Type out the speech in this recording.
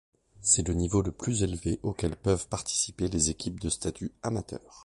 C'est le niveau le plus élevé auquel peuvent participer les équipes de statut amateur.